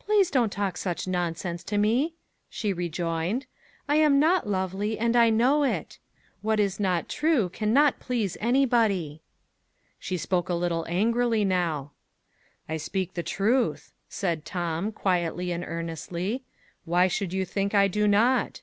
"Please don't talk such nonsense to me," she rejoined. "I am not lovely, and I know it. What is not true can not please anybody." She spoke a little angrily now. "I speak the truth," said Tom, quietly and earnestly. "Why should you think I do not?"